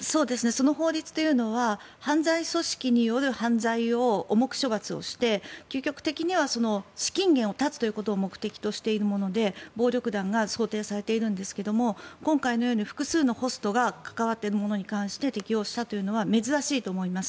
その法律というのは犯罪組織による犯罪を重く処罰して、究極的には資金源を断つということを目的としているもので暴力団が想定されているんですが今回のように複数のホストが関わっているものに関して適用したというのは珍しいと思います。